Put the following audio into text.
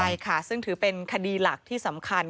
ใช่ค่ะซึ่งถือเป็นคดีหลักที่สำคัญ